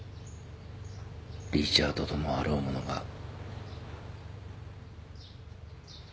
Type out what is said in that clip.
リチャードともあろうものが。